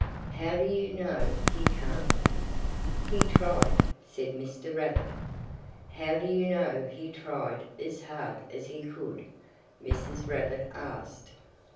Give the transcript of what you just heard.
"How do you know he can't?" "He tried," said Mr. Rabbit. "How do you know he tried as hard as he could?" Mrs. Rabbit asked.